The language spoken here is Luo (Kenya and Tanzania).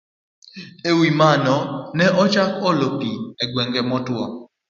E wi mano, ne ochak chenro mar olo pi e gwenge motwo